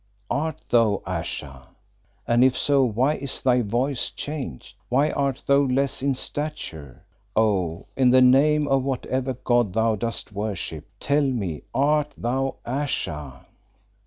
Art thou Ayesha? And if so why is thy voice changed? Why art thou less in stature? Oh! in the name of whatever god thou dost worship, tell me art thou Ayesha?"